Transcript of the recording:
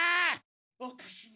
おかしいな。